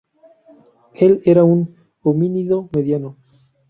Él era un homínido mediano.